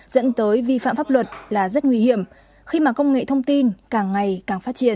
dẫn tới vi phạm pháp luật là rất nguy hiểm khi mà công nghệ thông tin càng ngày càng phát triển